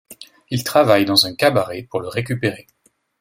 Il travaille dans un cabaret pour le récupérer.